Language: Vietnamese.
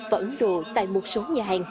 vận đồ tại một số nhà hàng